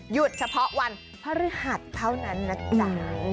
เฉพาะวันพฤหัสเท่านั้นนะจ๊ะ